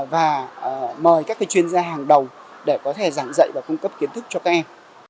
và mời các chuyên gia hàng đầu để có thể giảng dạy và cung cấp kiến thức cho các em